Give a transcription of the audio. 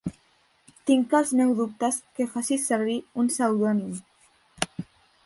Tinc els meus dubtes que facis servir un pseudònim.